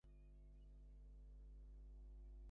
বেচারা ভক্ত মানুষ, বড়ই কষ্ট পাচ্ছে।